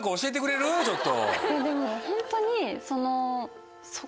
でもホントに。